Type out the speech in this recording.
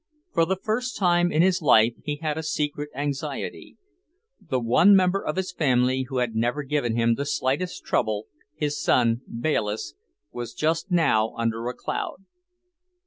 For the first time in his life he had a secret anxiety. The one member of his family who had never given him the slightest trouble, his son Bayliss, was just now under a cloud.